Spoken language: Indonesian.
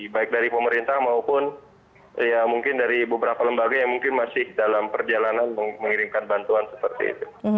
baik dari pemerintah maupun ya mungkin dari beberapa lembaga yang mungkin masih dalam perjalanan mengirimkan bantuan seperti itu